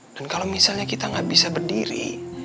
dan kalau misalnya kita gak bisa berdiri